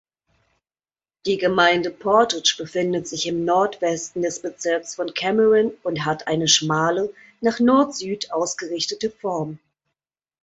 Die Gemeinde Portage befindet sich im Nordwesten des Bezirks von Cameron und hat eine schmale, nach Nord-Süd ausgerichtete Form.